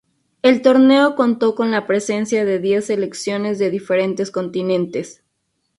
El torneo contó con la presencia de diez selecciones de diferentes continentes.